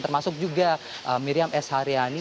termasuk juga miriam s haryani